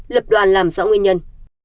lập đoàn làm rõ nguyên nhân